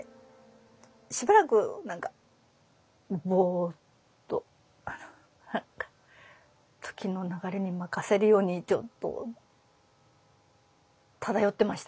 しばらく何かぼっと何か時の流れに任せるようにちょっと漂ってました。